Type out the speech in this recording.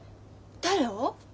誰を？